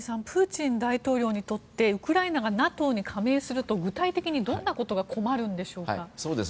プーチン大統領にとってウクライナがＮＡＴＯに加盟すると具体的にどんなことが困るんでしょうか。